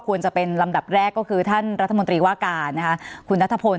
ควรจะเป็นลำดับแรกก็คือท่านรัฐมนตรีว่าการนะคะคุณนัทพล